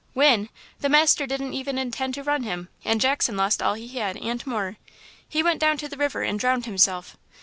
"Win! The master didn't even intend to run him, and Jackson lost all he had, and more. He went down to the river and drowned himself.